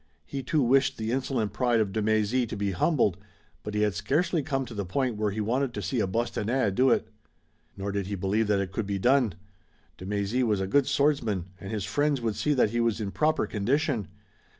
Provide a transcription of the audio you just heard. He too wished the insolent pride of de Mézy to be humbled, but he had scarcely come to the point where he wanted to see a Bostonnais do it. Nor did he believe that it could be done. De Mézy was a good swordsman, and his friends would see that he was in proper condition.